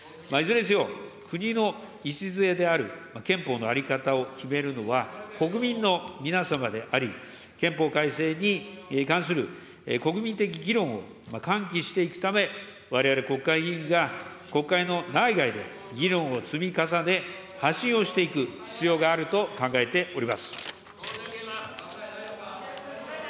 いずれにせよ、国の礎である憲法の在り方を決めるのは、国民の皆様であり、憲法改正に関する国民的議論を喚起していくため、われわれ国会議員が、国会の内外で議論を積み重ね、発信をしていく必要があると考えております。